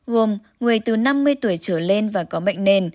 gồm người từ năm mươi tuổi trở lên và có bệnh nền